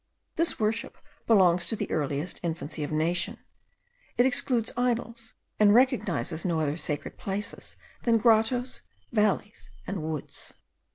This worship belongs to the earliest infancy of nations; it excludes idols, and recognises no other sacred places than grottoes, valleys, and woods.